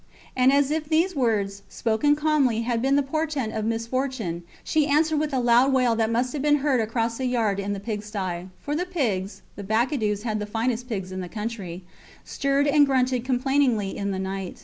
And, as if these words, spoken calmly, had been the portent of misfortune, she answered with a loud wail that must have been heard across the yard in the pig sty; for the pigs (the Bacadous had the finest pigs in the country) stirred and grunted complainingly in the night.